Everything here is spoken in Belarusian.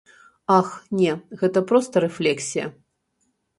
Ах, не, гэта проста рэфлексія.